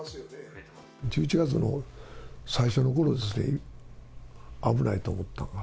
１１月の最初のころですね、危ないと思ったんが。